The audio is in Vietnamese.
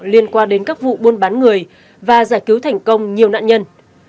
liên quan đến các vụ buôn bán người và giải cứu thành công nhiều nạn nhân